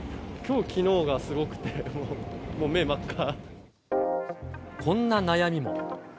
きょうときのうがすごくて、こんな悩みも。